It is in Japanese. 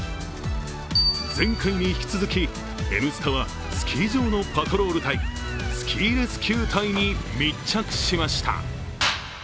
前回に引き続き、「Ｎスタ」はスキー場のパトロール隊、スキーレスキュー隊に密着しました。